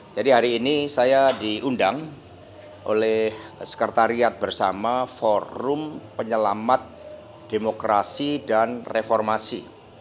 jadi hari ini saya diundang oleh sekretariat bersama forum penyelamat demokrasi dan reformasi